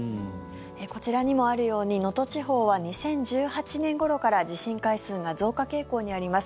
こちらにもあるように能登地方は２０１８年ごろから地震回数が増加傾向にあります。